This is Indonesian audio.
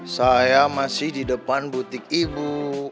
saya masih di depan butik ibu